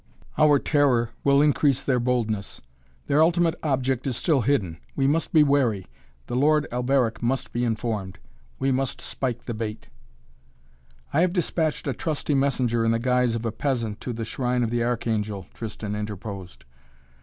Our terror will increase their boldness. Their ultimate object is still hidden. We must be wary. The Lord Alberic must be informed. We must spike the bait." "I have despatched a trusty messenger in the guise of a peasant to the shrine of the Archangel," Tristan interposed.